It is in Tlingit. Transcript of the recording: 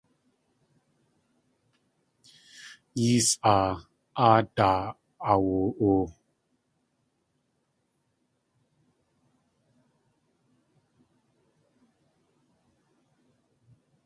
Yées aa áadaa aawa.oo.